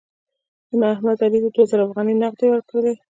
نن احمد علي ته دوه زره افغانۍ نغدې ورکړلې.